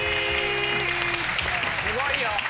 すごいよ。